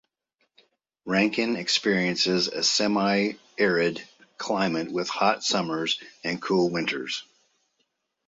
Rankin experiences a semi-arid climate with hot summers and cool winters.